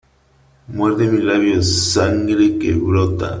Muerde mis labios. Sangre que brota.